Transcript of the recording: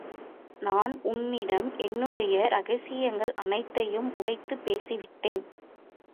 நான் உன்னிடம் என்னுடைய இரகசியங்கள் அனைத்தையும் உடைத்துப் பேசி விட்டேன்.